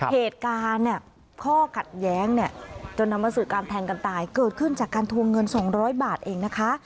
เหตุการณ์ข้อกัดแย้งตัวนำมสือการแทงกันตายเกิดขึ้นจากการทวงเงิน๒๐๐บาทเองนะคะ